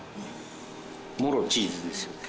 もろチーズですよね。